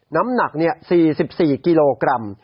น้ำหนัก๔๔กิโลกรัม